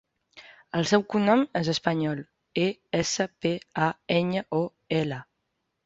El seu cognom és Español: e, essa, pe, a, enya, o, ela.